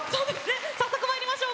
早速まいりましょう。